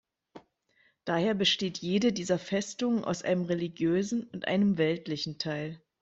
Daher besteht jede dieser Festungen aus einem religiösen und einem weltlichen Teil.